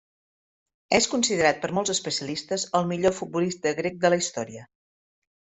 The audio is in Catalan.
És considerat per molts especialistes el millor futbolista grec de la història.